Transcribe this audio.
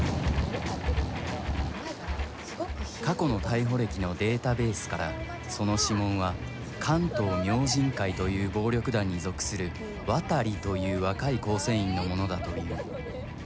過去の逮捕歴のデータベースから、その指紋は「関東明神会」という暴力団に属する「渡」という若い構成員のものだという。